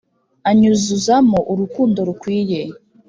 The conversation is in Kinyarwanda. Anyuzuzamo urukundo rukwiye